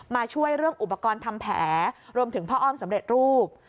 มาช่วยเรื่องอุปกรณ์ทำแผลรวมถึงพ่ออ้อมสำเร็จรูป